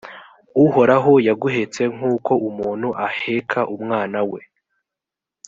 uhoraho yaguhetse nk’uko umuntu aheka umwana we